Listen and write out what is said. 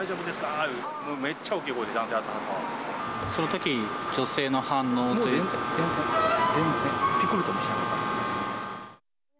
言うて、そのとき、女性の反応という全然、全然ぴくりともしなかった。